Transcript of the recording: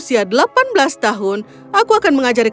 kalau tidak roku dulu selesai